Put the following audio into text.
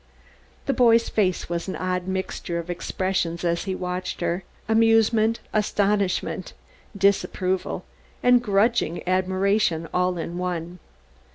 The boy's face was an odd mixture of expressions as he watched her amusement, astonishment, disapproval, and grudging admiration all in one.